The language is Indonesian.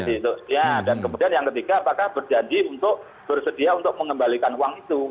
nah dan kemudian yang ketiga apakah berjanji untuk bersedia untuk mengembalikan uang itu